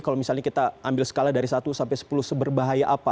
kalau misalnya kita ambil skala dari satu sampai sepuluh seberbahaya apa